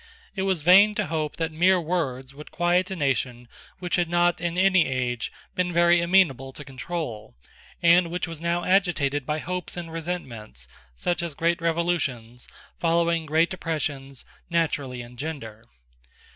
It was vain to hope that mere words would quiet a nation which had not, in any age, been very amenable to control, and which was now agitated by hopes and resentments, such as great revolutions, following great oppressions, naturally engender.